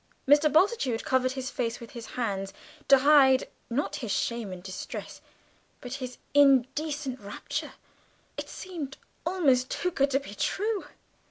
Mr. Bultitude covered his face with his hands, to hide, not his shame and distress, but his indecent rapture. It seemed almost too good to be true!